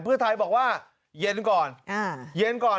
เพื่อไทยบอกว่าเย็นก่อนเย็นก่อน